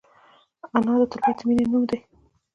انا د تلپاتې مینې نوم دی